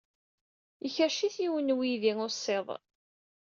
Ikerrec-it yiwen n uydi ussiḍ.